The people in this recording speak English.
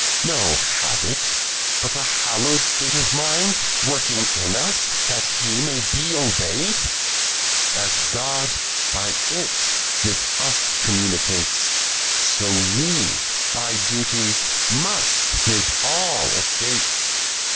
No habit, bnt a hallowed state of mind W\'rkiEj ia us, that He may be obey'd ? A* i iwi by it with us communicates. So wv by duties m^fi with all estates : 16.